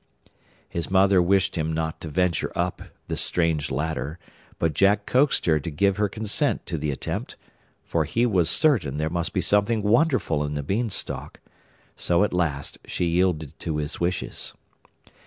His mother wished him not to venture up this strange ladder, but Jack coaxed her to give her consent to the attempt, for he was certain there must be something wonderful in the Beanstalk; so at last she yielded to his wishes.